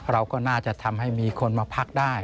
เราก็น่าจะทำให้มีคนมาพักได้